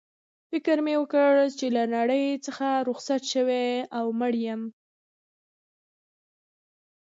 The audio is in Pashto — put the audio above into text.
فکر مې وکړ چي له نړۍ څخه رخصت شوی او مړ یم.